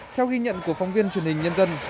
theo ghi nhận của phóng viên truyền hình nhân dân